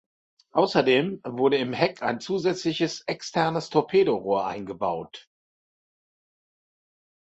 Außerdem wurde im Heck ein zusätzliches externes Torpedorohr eingebaut.